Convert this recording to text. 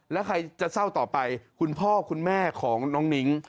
แล้วใครจะเศร้าต่อไปคุณพ่อคุณแม่ของน้องนิ้ง